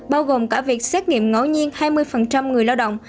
bao gồm cả việc xét nghiệm ngáo nhiên hai mươi người lao động